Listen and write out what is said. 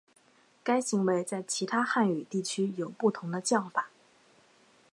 该行为在其他汉语地区有不同的叫法。